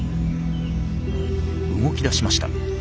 動きだしました。